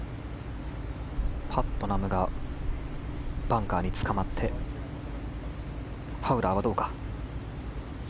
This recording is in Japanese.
パットナムがバンカーにつかまってファウラーはどうか。